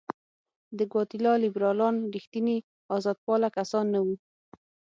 د ګواتیلا لیبرالان رښتیني آزادپاله کسان نه وو.